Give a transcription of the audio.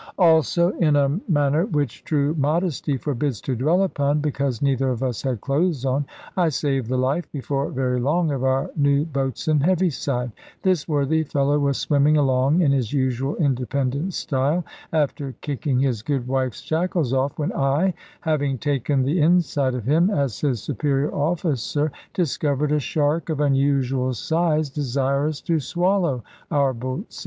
Also, in a manner which true modesty forbids to dwell upon because neither of us had clothes on I saved the life, before very long, of our new boatswain Heaviside. This worthy fellow was swimming along in his usual independent style, after kicking his good wife's shackles off, when I having taken the inside of him, as his superior officer discovered a shark of unusual size desirous to swallow our boatswain.